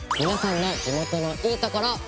皆さんの地元のいいところ。